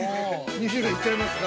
◆２種類行っちゃいますか。